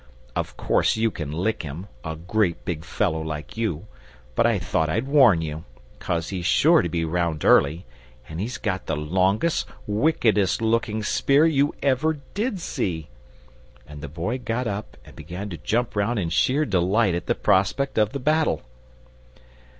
Of course you can lick him a great big fellow like you! But I thought I'd warn you, 'cos he's sure to be round early, and he's got the longest, wickedest looking spear you ever did see!" And the Boy got up and began to jump round in sheer delight at the prospect of the battle.